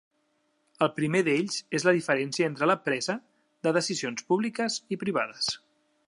El primer d'ells és la diferència entre la presa de decisions públiques i privades.